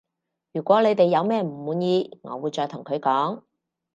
如果你哋有咩唔滿意我會再同佢講